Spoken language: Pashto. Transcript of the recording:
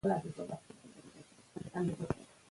کله چې ښځې ځواکمنې شي، ټولنه ځواکمنه کېږي.